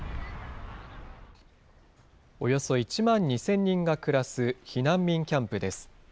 およそ１万２０００人が暮らす避難民キャンプです。